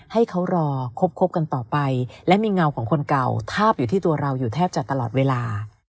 ให้เขารอคบกันต่อไปและมีเงาของคนเก่าทาบอยู่ที่ตัวเราอยู่แทบจะตลอดเวลา